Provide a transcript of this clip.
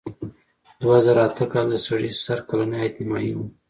دوه زره اته کال کې د سړي سر کلنی عاید نیمايي و.